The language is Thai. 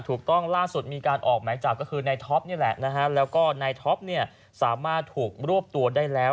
ถูกต้องล่าสุดมีการออกหมายจับก็คือในท็อปนี่แหละนะฮะแล้วก็นายท็อปเนี่ยสามารถถูกรวบตัวได้แล้ว